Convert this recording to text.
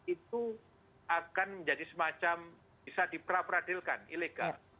itu akan menjadi semacam bisa diperadilkan ilegal